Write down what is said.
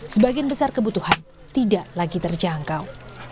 sebagian besar kebutuhan tidak lagi terjangkau